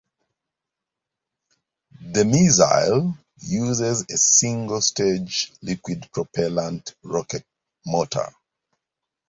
The missile uses a single-stage liquid propellant rocket motor.